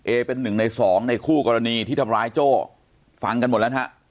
เอเป็นหนึ่งในสองในคู่กรณีที่ทำร้ายโจ้ฟังกันหมดแล้วนะฮะ